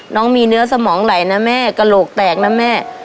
น้องมีเนื้อสมองไหลนะแม่กระโหลกแตกนะแม่